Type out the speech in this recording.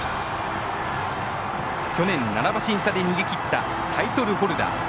去年、７馬身差で逃げきったタイトルホルダー。